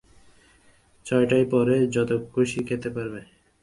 ছয়টার পরে যত খুশি খেতে পারবে।